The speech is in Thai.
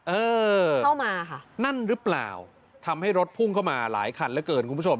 เอ้อนั่นรึเปล่าทำให้รถพุ่งเข้ามาหลายคันระเกิดคุณผู้ชม